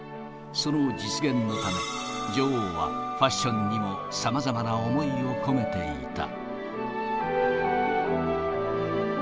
その実現のため、女王は、ファッションにもさまざまな思いを込めていた。